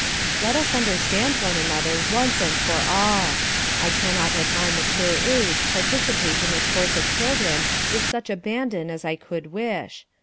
Let us understand one another once and for all. I cannot at my mature age participate in the sports of children with such abandon as I could wish.